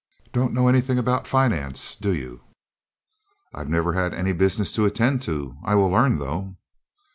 "Don't know anything about finance, do you?" "I've never had any business to attend to. I will learn, though."